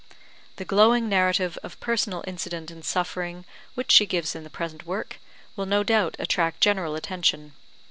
The glowing narrative of personal incident and suffering which she gives in the present work, will no doubt attract general attention.